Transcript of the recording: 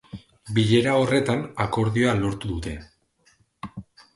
Bilera horretan akordioa lortu dute.